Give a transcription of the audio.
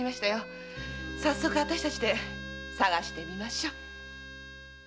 早速あたしたちで捜してみましょう。